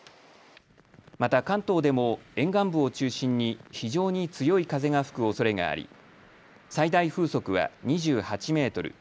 また関東でも沿岸部を中心に非常に強い風が吹くおそれがあり最大風速は２８メートル